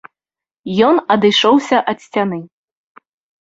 Ён адышоўся ад сцяны.